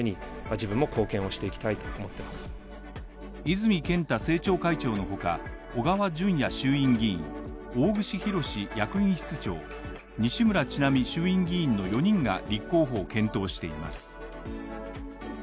泉健太政調会長のほか、小川淳也衆院議員、大串博役員室長、西村智奈美衆院議員の４人が立候補を検討しています。